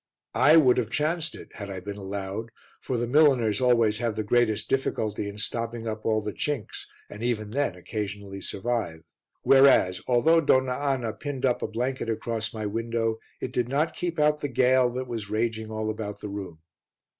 I would have chanced it, had I been allowed, for the milliners always have the greatest difficulty in stopping up all the chinks, and even then occasionally survive; whereas, although Donna Anna pinned up a blanket across my window, it did not keep out the gale that was raging all about the room.